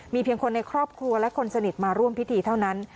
เพียงคนในครอบครัวและคนสนิทมาร่วมพิธีเท่านั้น